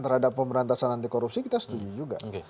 terhadap pemberantasan anti korupsi kita setuju juga